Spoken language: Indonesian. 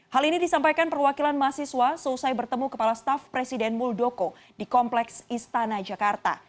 hal ini disampaikan perwakilan mahasiswa selesai bertemu kepala staf presiden muldoko di kompleks istana jakarta